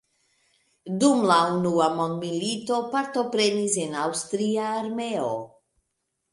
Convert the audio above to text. Dum la unua mondmilito partoprenis en aŭstria armeo.